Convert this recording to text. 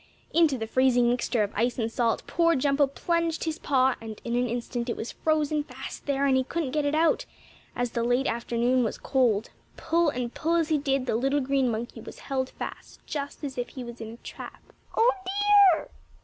Into the freezing mixture of ice and salt poor Jumpo plunged his paw, and in an instant it was frozen fast there, and he couldn't get it out, as the late afternoon was cold. Pull and pull as he did, the little green monkey was held fast, just as if he was in a trap. "Oh, dear!